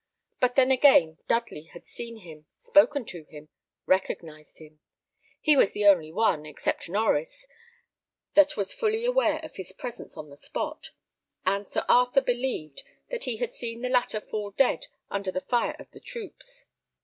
But then again, Dudley had seen him, spoken to him, recognised him. He was the only one, except Norries, that was fully aware of his presence on the spot, and Sir Arthur believed that he had seen the latter fall dead under the fire of the troops.